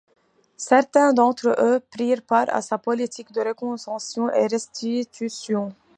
Certains d'entre eux prirent part à sa politique de Renonciation et restitution.